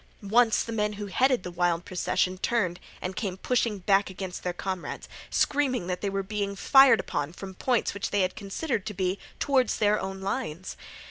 Once the men who headed the wild procession turned and came pushing back against their comrades, screaming that they were being fired upon from points which they had considered to be toward their own lines.